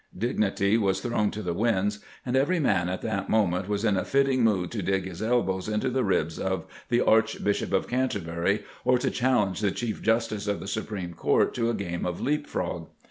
Dignity was thrown to the winds, and every man at that moment was in a fitting mood to dig his elbows into the ribs of the Archbishop of Canterbury, or to challenge the Chief Justice of the Supreme Court to a game of leap frog.